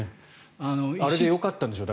あれでよかったんでしょう